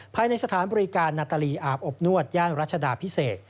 ภายในสถานบริการนาตาลีอาบอบนวดย่านรัชดาพิเศษ